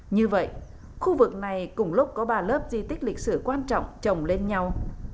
như vậy khu vực này cùng lúc có ba lớp di tích lịch sử quan trọng trồng lên nhau